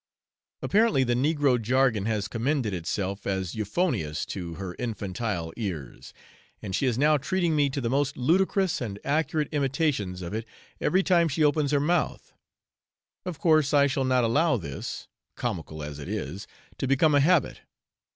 Apparently the negro jargon has commended itself as euphonious to her infantile ears, and she is now treating me to the most ludicrous and accurate imitations of it every time she opens her mouth. Of course I shall not allow this, comical as it is, to become a habit.